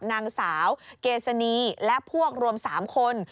นางสาวเกษณีและพวกรวม๓คน